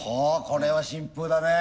これは新風だね。